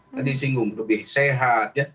tadi singgung lebih sehat